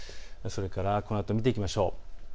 それから、このあと見ていきましょう。